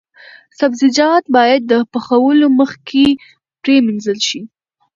سبزیجات باید د پخولو مخکې پریمنځل شي.